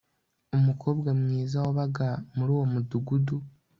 Umukobwa mwiza wabaga muri uwo mudugudu